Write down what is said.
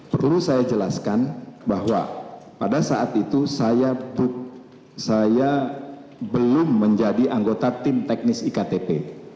perlu saya jelaskan bahwa pada saat itu saya belum menjadi anggota tim teknis iktp